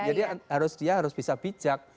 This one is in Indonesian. jadi dia harus bisa bijak